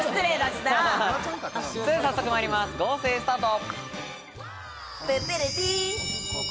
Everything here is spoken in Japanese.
早速参ります、合成スタート。